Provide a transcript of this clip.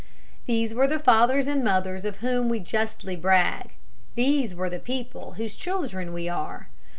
These were the fathers and mothers of whom we justly brag. These were the people whose children we are.